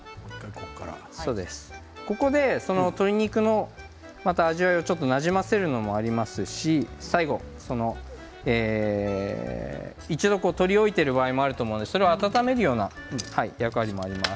ここで鶏肉の、また味わいをなじませるのもありますし、最後一度取り置いてある場合もあるのでそれを温める役割があります。